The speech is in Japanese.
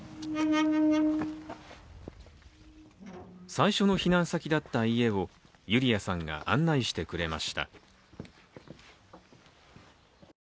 最初の避難先だった家をユリアさんが案内してくれました。